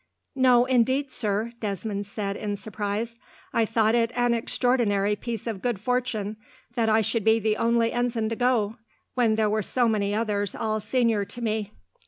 "No, indeed, sir," Desmond said, in surprise; "I thought it an extraordinary piece of good fortune that I should be the only ensign to go, when there were so many others all senior to me.